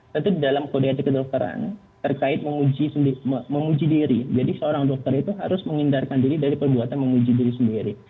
tentu di dalam kode etik kedokteran terkait menguji diri jadi seorang dokter itu harus menghindarkan diri dari perbuatan menguji diri sendiri